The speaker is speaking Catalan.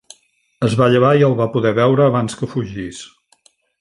Es va llevar i el va poder veure abans que fugís.